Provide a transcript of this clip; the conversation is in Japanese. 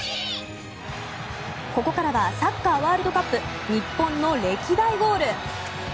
ここからはサッカーワールドカップ日本の歴代ゴール。